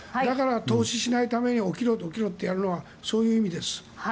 だから、凍死しないために起きろ、起きろとするのはそういう意味です。